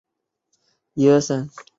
他还从印度东北部报道。